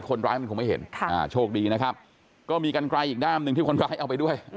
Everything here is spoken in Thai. คนร้ายมันคงไม่เห็นโชคดีนะครับก็มีกันไกลอีกด้ามหนึ่งที่คนร้ายเอาไปด้วย